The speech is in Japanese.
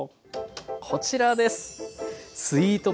こちらです。